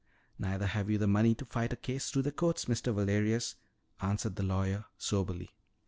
"Neither have you the money to fight a case through the courts, Mr. Valerius," answered the lawyer soberly.